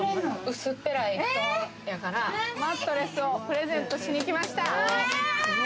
薄っぺらい布団やから、マットレスをプレゼントしに来ました。